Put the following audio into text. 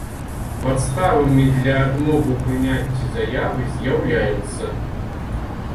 Падставамi для адмовы ў прыняццi заявы з’яўляюцца.